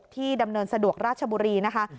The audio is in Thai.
ดำเนินสะดวกราชบุรีนะคะ